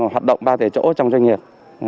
hoạt động ba tại chỗ trong doanh nghiệp